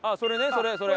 それそれ。